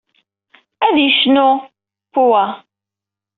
Ad yecnu Pua.